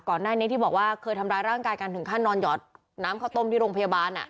ก่อนหน้านี้ที่บอกว่าเคยทำร้ายร่างกายกันถึงขั้นนอนหยอดน้ำข้าวต้มที่โรงพยาบาล